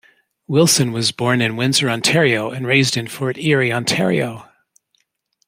Wilson was born in Windsor, Ontario, and raised in Fort Erie, Ontario.